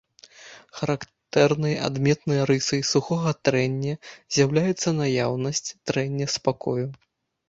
Характэрнай адметнай рысай сухога трэння з'яўляецца наяўнасць трэння спакою.